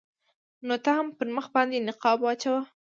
نو ته هم پر مخ باندې نقاب واچوه.